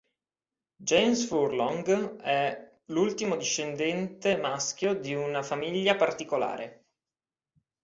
James Furlong è l'ultimo discendente maschio di una famiglia particolare.